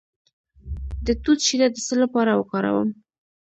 د توت شیره د څه لپاره وکاروم؟